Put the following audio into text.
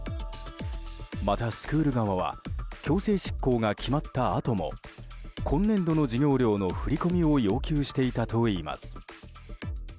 また、スクール側は強制執行が決まったあとも今年度の授業料の振り込みを要求していたといいます。